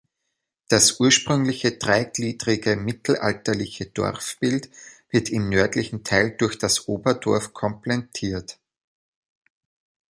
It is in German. Das ursprüngliche, dreigliedrige mittelalterliche Dorfbild wird im nördlichen Teil durch das Oberdorf komplettiert.